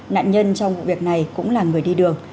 nạn nhân trong vụ việc này cũng là người đi đường